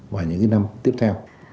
và những năm tiếp theo